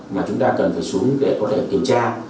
mà chúng ta cần phải xuống để có thể kiểm tra